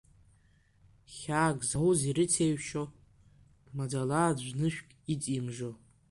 Хьаак зауз ирыцеиҩшо, маӡала аӡә нышәк иҵимжо.